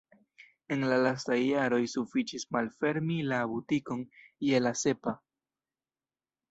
En la lastaj jaroj sufiĉis malfermi la butikon je la sepa.